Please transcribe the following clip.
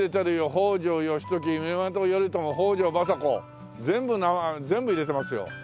「北条義時源頼朝北条政子」全部入れてますよ。